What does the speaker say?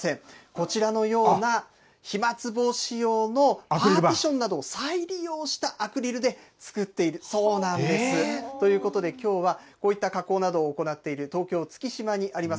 こちらのような飛まつ防止用のパーティションなどを再利用したアクリルで作っているそうなんです。ということで、きょうはこういった加工などを行っている、東京・月島にあります